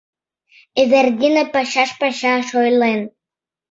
— Эвердина пачаш-пачаш ойлен.